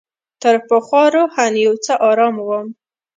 تر پخوا روحاً یو څه آرام وم.